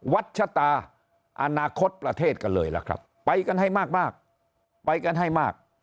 ชะตาอนาคตประเทศกันเลยล่ะครับไปกันให้มากไปกันให้มาก